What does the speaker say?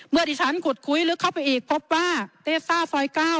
เมื่อดิฉันขุดคุยลึกเข้าไปอีกพบว่าเตสซ่าซอย๙